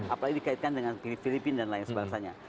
apalagi dikaitkan dengan filipina dan lain sebagainya